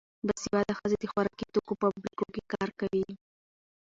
باسواده ښځې د خوراکي توکو په فابریکو کې کار کوي.